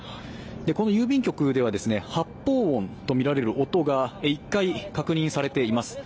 この郵便局では、発砲音とみられる男が１回確認されています。